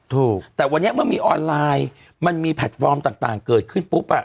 ถูกแต่วันนี้เมื่อมีออนไลน์มันมีแพลตฟอร์มต่างเกิดขึ้นปุ๊บอ่ะ